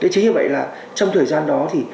chứ như vậy là trong thời gian đó thì